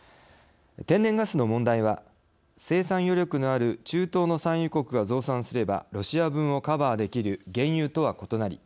天然ガスの問題は生産余力のある中東の産油国が増産すればロシア分をカバーできる原油とは異なり